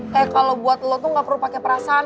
kayak kalau buat lo tuh gak perlu pakai perasaan